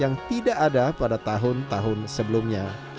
yang tidak ada pada tahun tahun sebelumnya